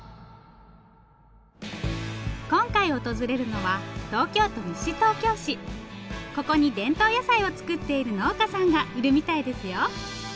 今回訪れるのはここに伝統野菜を作っている農家さんがいるみたいですよ。